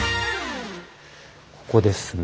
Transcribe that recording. ここですね。